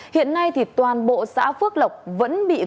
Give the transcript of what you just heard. hiện nay thì toàn bộ xã phước lộc vẫn bình thường